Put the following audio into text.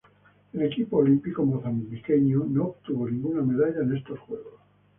El equipo olímpico mozambiqueño no obtuvo ninguna medalla en estos Juegos.